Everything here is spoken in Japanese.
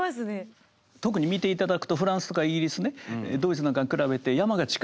特に見ていただくとフランスとかイギリスねドイツなんかに比べて山が近い。